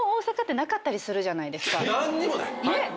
何にもない！